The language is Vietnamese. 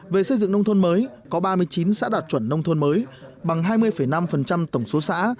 về xây dựng nông thôn mới có ba mươi chín xã đạt chuẩn nông thôn mới bằng hai mươi năm tổng số xã